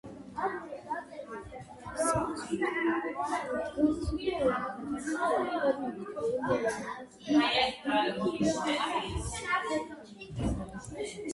საზრდოობს ძირითადად მყინვარისა და თოვლის წყლით.